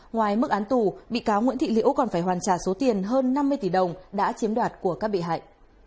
ngoài mức án tù bị cáo nguyễn thị liễu còn phải hoàn trả số tiền hơn năm mươi tỷ đồng đã chiếm đoạt của các bị hại